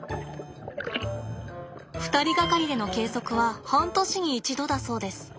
２人掛かりでの計測は半年に一度だそうです。